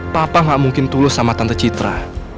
papa gak mungkin tulus sama tante citra